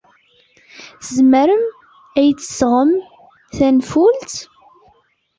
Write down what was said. Tzemrem ad iyi-d-tesɣem tanfult?